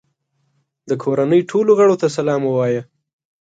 د کورنۍ ټولو غړو ته سلام ووایه.